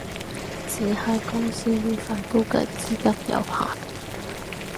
只係公司呢塊估計資金有限